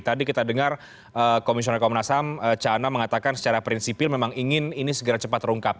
tadi kita dengar komisioner komnas ham cana mengatakan secara prinsipil memang ingin ini segera cepat terungkap